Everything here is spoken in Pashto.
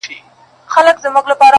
غلیم خو به ویل چي دا وړۍ نه شړۍ کیږي!